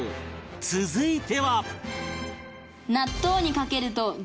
続いては